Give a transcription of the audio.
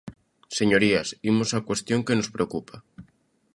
Señorías, imos á cuestión que nos preocupa.